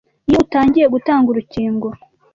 iyo utangiye gutanga urukingo